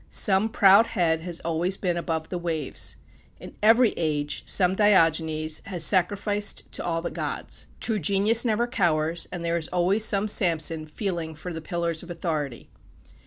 Some proud head has always been above the waves. In every age some Diogenes has sacrificed to all the gods. True genius never cowers, and there is always some Samson feeling for the pillars of authority.